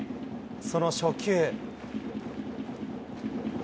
その初球。